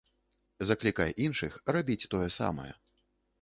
Заклікай іншых рабіць тое самае.